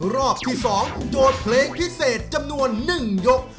รอบที่๒โจทย์เพลงพิเศษจำนวน๑ยก